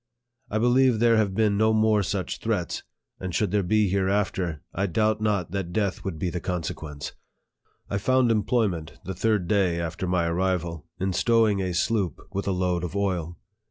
I believe there have been no more such threats, and should there be hereafter, I doubt not that death would be the con sequence. I found employment, the third day after my arrival, in stowing a sloop with a load of oil.